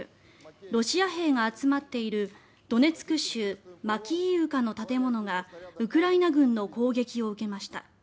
ロシア兵が集まっているドネツク州マキイウカの建物がウクライナ軍の攻撃を受けました。